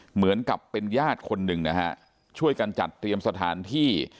เหมือนกับเป็นญาติคนหนึ่งนะฮะช่วยกันจัดเตรียมสถานที่